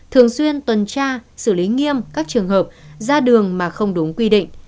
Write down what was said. thường xuyên tuần tra xử lý nghiêm các trường hợp ra đường mà không đúng quy định